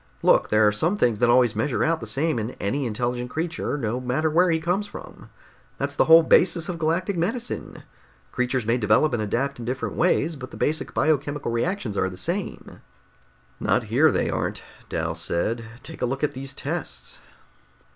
"Look, there are some things that always measure out the same in any intelligent creature no matter where he comes from. That's the whole basis of galactic medicine. Creatures may develop and adapt in different ways, but the basic biochemical reactions are the same." "Not here, they aren't," Dal said. "Take a look at these tests!"